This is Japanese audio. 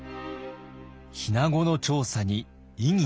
日名子の調査に異議が。